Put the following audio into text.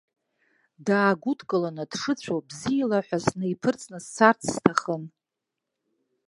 Даагәыдкыланы, дшыцәоу бзиала ҳәа снеиԥырҵны сцарц сҭахын.